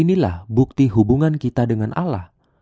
inilah bukti hubungan kita dengan allah